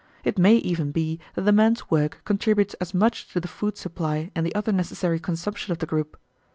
It may even be that the men's work contributes as much to the food supply and the other necessary consumption of the group.